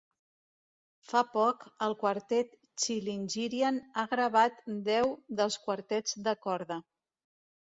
Fa poc, el quartet Chilingirian ha gravat deu dels quartets de corda.